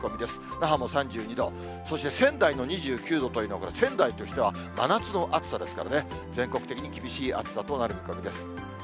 那覇も３２度、そして仙台の２９度というのは、仙台としては真夏の暑さですからね、全国的に厳しい暑さとなる見込みです。